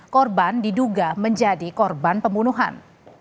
korban diduga menjadi korban pembunuhan